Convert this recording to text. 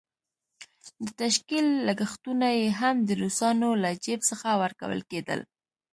د تشکيل لګښتونه یې هم د روسانو له جېب څخه ورکول کېدل.